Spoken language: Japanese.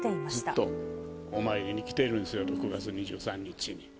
ずっとお参りに来てるんですよ、６月２３日に。